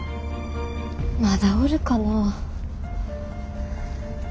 まだおるかなぁ。